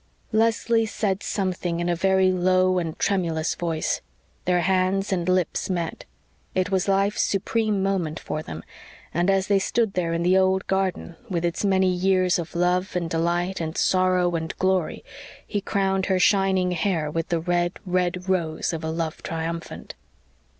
Leslie said something in a very low and tremulous voice. Their hands and lips met; it was life's supreme moment for them and as they stood there in the old garden, with its many years of love and delight and sorrow and glory, he crowned her shining hair with the red, red rose of a love triumphant.